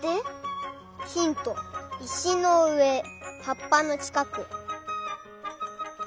ヒントいしのうえはっぱのちかく。